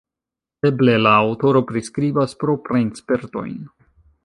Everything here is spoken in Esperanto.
Eble la aŭtoro priskribas proprajn spertojn.